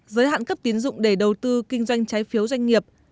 giới hạn cấp tiến dụng để đầu tư kinh doanh trái phiếu doanh nghiệp